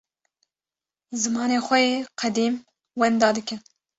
zimanê xwe yê qedîm wenda dikin.